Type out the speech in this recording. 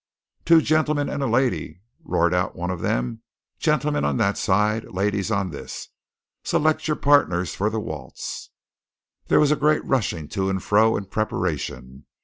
"Two gentlemen and a lady!" roared out one of them. "Gentlemen on that side; ladies on this. See lect your pardners for the waltz!" There was a great rushing to and fro in preparation.